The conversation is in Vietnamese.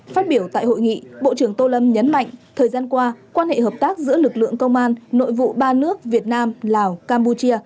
phát biểu tại hội nghị bộ trưởng tô lâm nhấn mạnh thời gian qua quan hệ hợp tác giữa lực lượng công an nội vụ ba nước việt nam lào campuchia